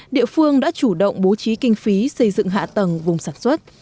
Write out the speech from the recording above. địa phương đã chủ động bố trí kinh phí xây dựng hạ tầng vùng sản xuất